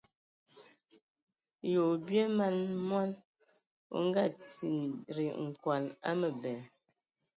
Ye o bie man mɔn, o nga tindi nkol a məbɛ.